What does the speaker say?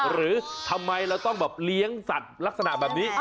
หรือทำไมเราต้องแบบเลี้ยงสัตว์ลักษณะแบบนี้